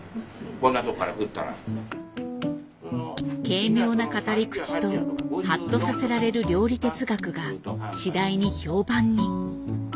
軽妙な語り口とハッとさせられる料理哲学が次第に評判に。